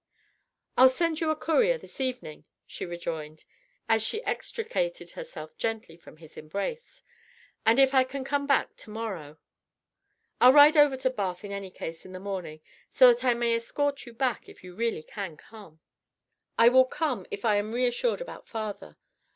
"I'll send you a courier this evening," she rejoined, as she extricated herself gently from his embrace, "and if I can come back to morrow...." "I'll ride over to Bath in any case in the morning so that I may escort you back if you really can come." "I will come if I am reassured about father.